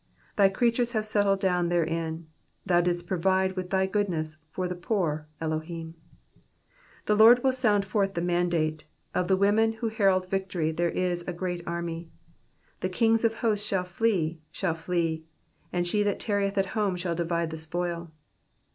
1 1 Thy creatures have settled down therein, Thou didst provide with Thy goodness for the poor, Elohim. 12 The Lord will sound forth the mandate ; Of the women who herald victory there is a great army. 13 The kings of hosts shall flee, shall flee. And she that tarrieth at home, shall divide the spoil.